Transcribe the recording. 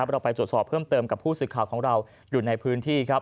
เราไปจดสอบเพิ่มเติมกับผู้สิทธิ์ข่าวของเราอยู่ในพื้นที่